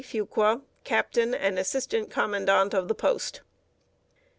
FUQUA, Captain and Assistant Commandant of Post.